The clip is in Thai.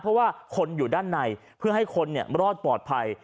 เพราะว่าคนอยู่ด้านในเพื่อให้คนรอดปลอดภัย